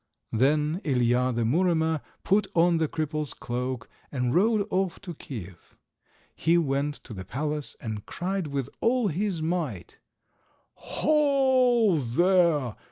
Then Ilija, the Muromer, put on the cripple's cloak and rode off to Kiev. He went to the palace, and cried with all his might— "Ho, there!